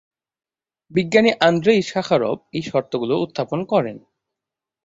বিজ্ঞানী Andrei Sakharov এই শর্তগুলো উত্থাপন করেন।